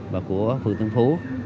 và của phương tân phú